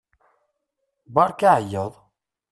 Beṛka aɛeyyeḍ!